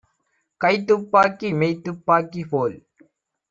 கைத்துப் பாக்கி மெய்த்துப் பாக்கிபோல்